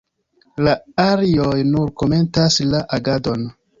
La arioj nur komentas la agadon.